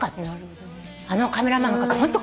あのカメラマンの方ホント感謝なのよ。